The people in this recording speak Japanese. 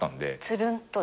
つるんとね。